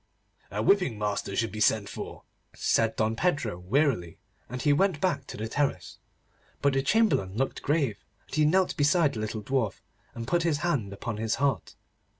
'A whipping master should be sent for,' said Don Pedro wearily, and he went back to the terrace. But the Chamberlain looked grave, and he knelt beside the little dwarf, and put his hand upon his heart.